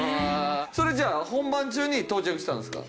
それじゃあ本番中に到着したんですか？